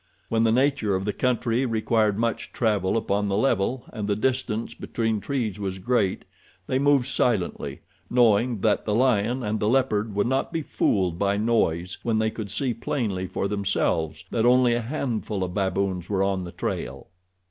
When the nature of the country required much travel upon the level, and the distance between trees was great, they moved silently, knowing that the lion and the leopard would not be fooled by noise when they could see plainly for themselves that only a handful of baboons were on the trail.